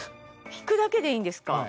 引くだけでいいんですか？